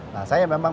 nah saya memang